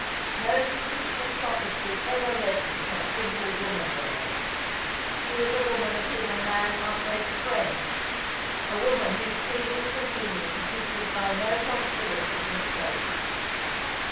No suspicion of coquetry ever lessened her simple womanliness. She was a woman of whom a man might make a friend; a woman whose feelings and meanings he could by n® possibility mistake.